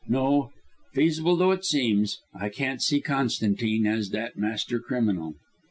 No, feasible though it seems, I can't see Constantine as that master criminal."